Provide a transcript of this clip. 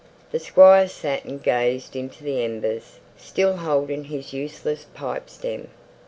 The Squire sat and gazed into the embers, still holding his useless pipe stem.